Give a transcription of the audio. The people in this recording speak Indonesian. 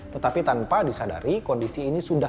tetapi tanpa disadari kondisi ini sudah